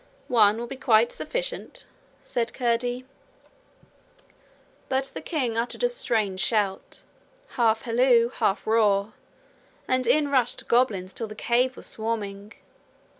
'One will be quite sufficient,' said Curdie. But the king uttered a strange shout, half halloo, half roar, and in rushed goblins till the cave was swarming.